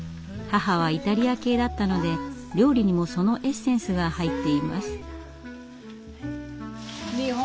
母はイタリア系だったので料理にもそのエッセンスが入っています。